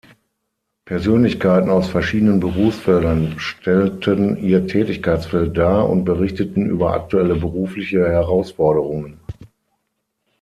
Persönlichkeiten aus verschiedenen Berufsfeldern stellten ihr Tätigkeitsfeld dar und berichteten über aktuelle berufliche Herausforderungen.